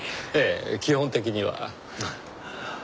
ええ基本的には。